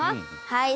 はい。